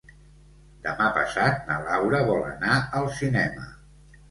Demà passat na Laura vol anar al cinema.